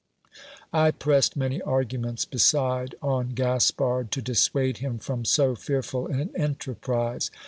I pressed many arguments beside on Gaspard, to dissuade him from so fear ful an enterprise.